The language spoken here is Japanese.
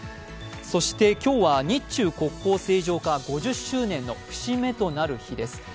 そして今日は日中国交正常化５０周年の節目となる日です。